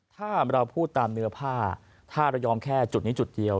ถ้าเราพูดตามเนื้อผ้าถ้าเรายอมแค่จุดนี้จุดเดียว